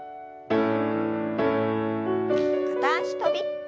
片脚跳び。